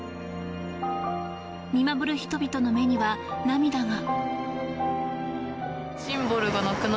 見守る人々の目には、涙が。